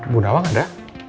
bu nawang ada